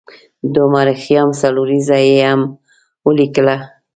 د عمر خیام څلوریځه یې هم ولیکله.